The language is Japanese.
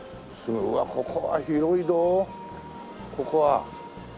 うわっここは広いぞここは。